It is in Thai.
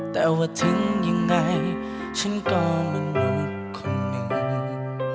แต่ว่าถึงยังไงฉันก็มนุษย์คนหนึ่ง